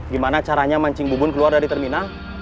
gimana caranya mancing bubun keluar dari terminal